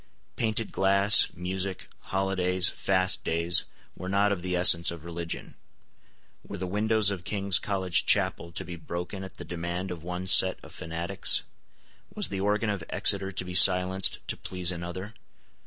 Painted glass, music, holidays, fast days, were not of the essence of religion. Were the windows of King's College Chapel to be broken at the demand of one set of fanatics? Was the organ of Exeter to be silenced to please another?